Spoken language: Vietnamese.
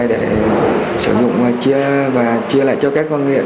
để sử dụng chia và chia lại cho các con nghiện